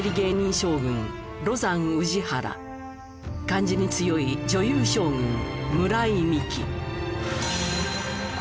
漢字に強い女優将軍村井美樹。